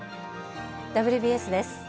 「ＷＢＳ」です。